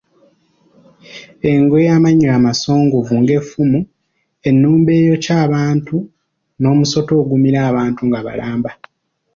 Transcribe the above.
Engo ey'amannyo amasongovu ng'effumu, ennumba eyokya abantu n'omusota ogumira abantu nga balamba.